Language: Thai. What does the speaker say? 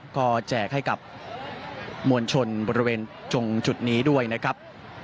ก็แจกให้กับมวลชนบริเวณจงจุดนี้ด้วยนะครับ